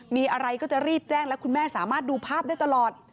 มีอะไรก็จะรีบแจ้งแล้วคุณแม่สามารถดูภาพได้ตลอด